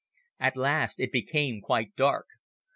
"At last it became quite dark.